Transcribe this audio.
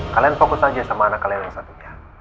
kalian fokus aja sama anak kalian yang satukan